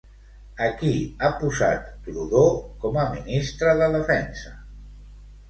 A qui ha posat Trudeau com a ministre de Defensa?